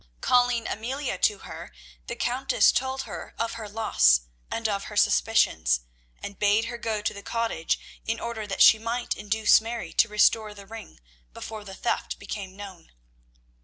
Calling Amelia to her, the Countess told her of her loss and of her suspicions, and bade her go to the cottage in order that she might induce Mary to restore the ring before the theft became known.